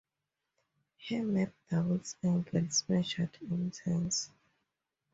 Here map doubles angles measured in turns.